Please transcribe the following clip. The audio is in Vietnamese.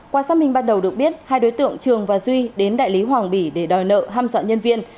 qua xác minh ban đầu được biết hai đối tượng trường và duy đến đại lý hoàng bỉ để đòi nợ ham dọn nhân viên